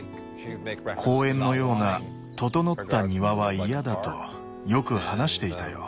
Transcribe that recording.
「公園のような整った庭は嫌だ」とよく話していたよ。